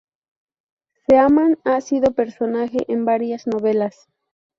Seaman ha sido personaje en varias novelas